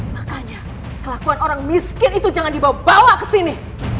makanya kelakuan orang miskin itu jangan dibawa bawa kesini